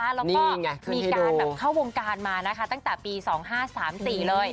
นี่ไงขึ้นให้ดูแล้วก็มีการเข้าวงการมานะคะตั้งแต่ปี๒๕๓๔เลย